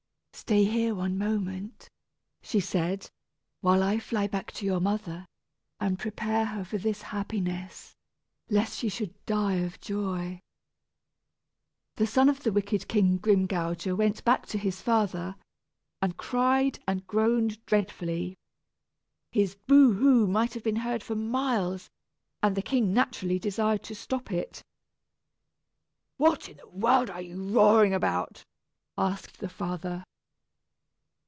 "Stay here one moment," she said, "while I fly back to your mother, and prepare her for this happiness, lest she should die of joy." The son of the wicked King Grimgouger went back to his father, and cried and groaned dreadfully. His boo hoo might have been heard for miles, and the king naturally desired to stop it. "What in the world are you roaring about?" asked the father.